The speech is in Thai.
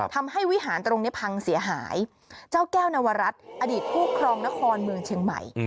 วิหารตรงนี้พังเสียหายเจ้าแก้วนวรัฐอดีตผู้ครองนครเมืองเชียงใหม่